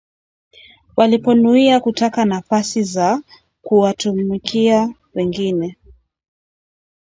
waliponuia kutaka nafasi za kuwatumikia wengine